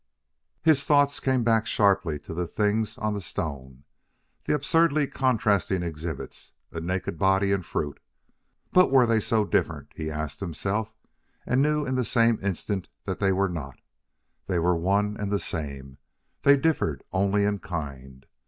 His thoughts came back sharply to the things on the stone: the absurdly contrasting exhibits: a naked body and fruit! But were they so different? he asked himself, and knew in the same instant that they were not. They were one and the same; they differed only in kind.